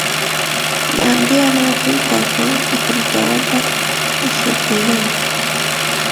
له همدې امله ټول کارکوونکي فري ټاون ته وتښتېدل.